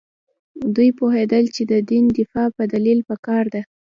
دوی پوهېدل چې د دین دفاع په دلیل پکار ده.